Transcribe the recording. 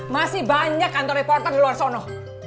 masih banyak kantor reporter di luar sana